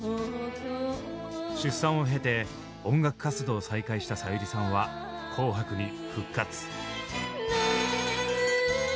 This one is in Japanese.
出産を経て音楽活動を再開したさゆりさんは「紅白」に復活。